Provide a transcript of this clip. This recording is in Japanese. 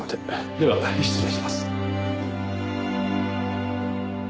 では失礼します。